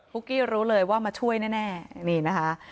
กี้รู้เลยว่ามาช่วยแน่นี่นะคะ